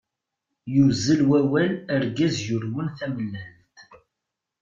yuzzel wawal argaz yurwen tamellalt.